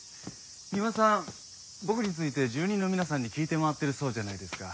三馬さん僕について住民の皆さんに聞いて回ってるそうじゃないですか。